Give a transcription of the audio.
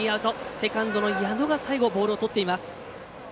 セカンドの矢野が最後ボールをとっています。